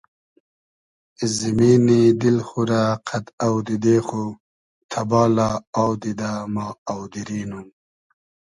زیمینی دیل خو رۂ قئد اۆدیدې خو تئبالۂ آو دیدۂ ما آودیری نوم